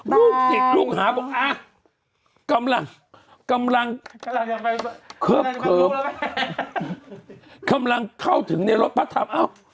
ลูกหางหาบอกหักำลังกำลังเคิร์ปคำลังเข้าถึงในรถพักทำ